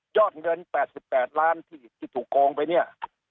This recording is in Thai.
เงิน๘๘ล้านที่ถูกโกงไปเนี่ย